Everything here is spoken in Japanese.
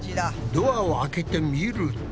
ドアを開けてみると。